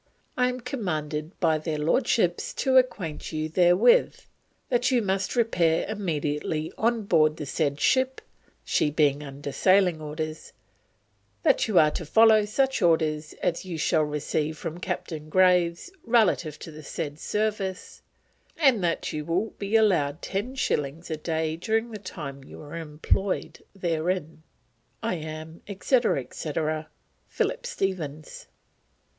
I am commanded by their Lordships to acquaint you therewith: that you must repair immediately on board the said ship, she being under sailing orders, that you are to follow such orders as you shall receive from Captain Graves relative to the said service and that you will be allowed ten shillings a day during the time you are employed therein. I am, etc. etc., PHILLIP STEPHENS.